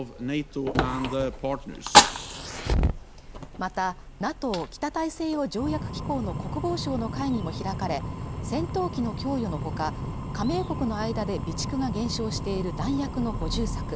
またＮＡＴＯ＝北大西洋条約機構の国防相の会議も開かれ戦闘機の供与のほか加盟国の間で備蓄が減少している弾薬の補充策